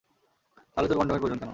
তাহলে তোর কনডমের প্রয়োজন কেন?